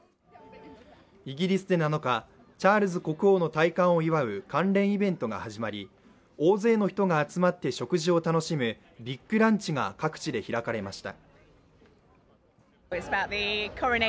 イギリスで７日チャールズ国王の戴冠を祝う関連イベントが始まり大勢の人が集まって食事を楽しむビッグランチが各地で開かれました。